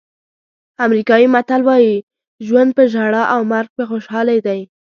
امریکایي متل وایي ژوند په ژړا او مرګ په خوشحالۍ دی.